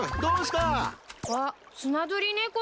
あっスナドリネコさん。